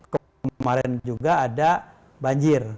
kemarin juga ada banjir